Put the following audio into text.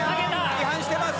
違反してます！